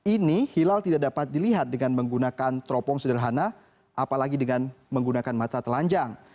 ini hilal tidak dapat dilihat dengan menggunakan teropong sederhana apalagi dengan menggunakan mata telanjang